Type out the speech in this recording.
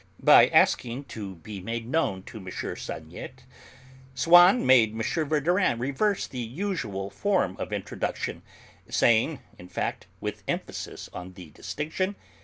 By asking to be made known to M. Saniette, Swann made M. Verdurin reverse the usual form of introduction (saying, in fact, with emphasis on the distinction: "M.